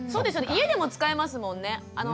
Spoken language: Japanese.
家でも使えますもんね。